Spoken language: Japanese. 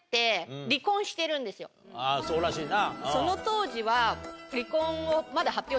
あそうらしいな。